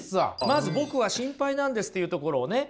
まず「僕は心配なんです」っていうところをね